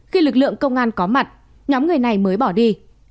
khi lực lượng công an có mặt nhóm người này mới bỏ đi